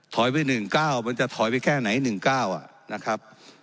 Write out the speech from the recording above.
ถอยไป๑ก้าวมันจะถอยไปแค่ไหน๑ก้าวนะครับ